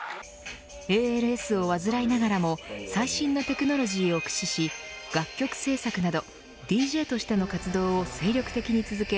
ＡＬＳを患いながらも最新のテクノロジーを駆使し楽曲制作などＤＪとしての活動を精力的に続け